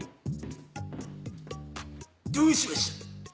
どうしました